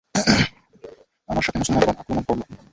আমার সাথে মুসলমানগণ আক্রমণ করল।